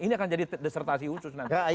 ini akan jadi desertasi khusus nanti